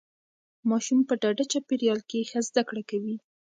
ماشوم په ډاډه چاپیریال کې ښه زده کړه کوي.